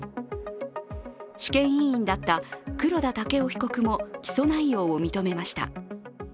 試験委員だった黒田剛生被告も起訴内容を認めました。